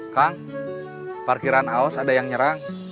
kang parkiran aus ada yang nyerang